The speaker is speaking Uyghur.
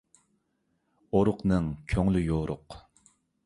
ئورۇقنىڭ كۆڭلى يورۇق.